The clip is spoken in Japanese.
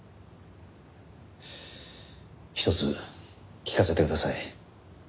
一つ聞かせてください。